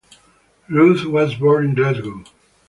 Ruth was born in Glasgow.